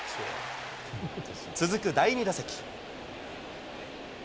続く第２打席。